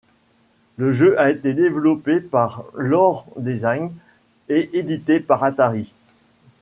Le jeu a été développé par Lore Design et édité par Atari.